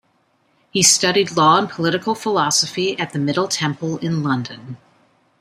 He studied law and political philosophy at the Middle Temple in London.